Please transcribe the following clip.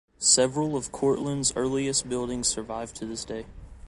Several of Courtland's earliest buildings survive to this day.